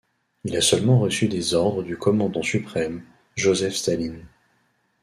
Il a seulement reçu des ordres du commandant suprême, Joseph Staline.